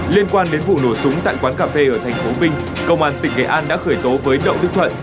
liên quan đến vụ nổ súng tại quán cà phê ở tp vinh công an tỉnh nghệ an đã khởi tố với đậu đức thuận